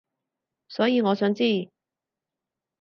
所以我想知